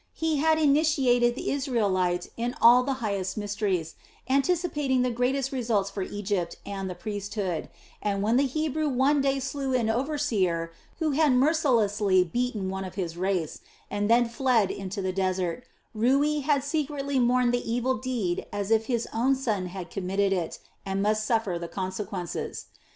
He had initiated the Israelite into all the highest mysteries, anticipating the greatest results for Egypt and the priesthood, and when the Hebrew one day slew an overseer who had mercilessly beaten one of his race, and then fled into the desert, Rui had secretly mourned the evil deed as if his own son had committed it and must suffer the consequences.